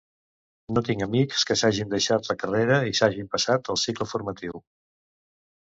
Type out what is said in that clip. No tinc amics que s'hagin deixat la carrera i s'hagin passat a cicle formatiu.